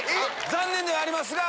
⁉残念ではありますが。